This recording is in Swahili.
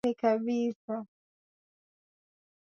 Mvua nzito na mvua ya mara kwa mara katika maeneo fulani